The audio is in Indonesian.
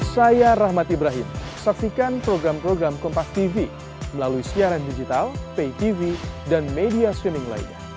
saya rahmat ibrahim saksikan program program kompastv melalui siaran digital paytv dan media streaming lainnya